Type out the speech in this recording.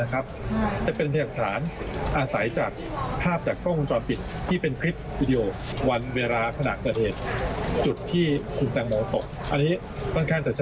ก็ค่อนข้างจะชัดเจนและนะครับ